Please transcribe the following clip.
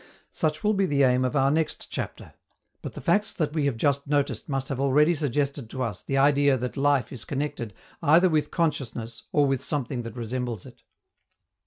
Such will be the aim of our next chapter. But the facts that we have just noticed must have already suggested to us the idea that life is connected either with consciousness or with something that resembles it.